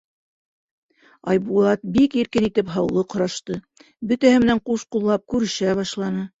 Айбулат бик иркен итеп һаулыҡ һорашты, бөтәһе менән ҡуш ҡуллап күрешә башланы.